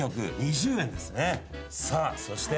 さあそして。